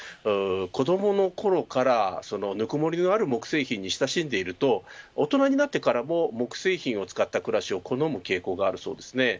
子どものころからぬくもりのある木製品に親しんでいると大人になってからも木製品を使った暮らしを好む傾向があるそうです。